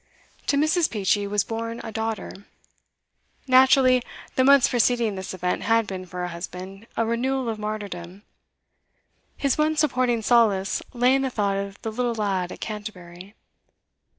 To Mrs. Peachey was born a daughter. Naturally, the months preceding this event had been, for her husband, a renewal of martyrdom; his one supporting solace lay in the thought of the little lad at Canterbury.